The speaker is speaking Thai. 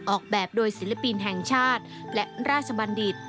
ออกแบบโดยศิลปินแห่งชาติและราชบัณฑิต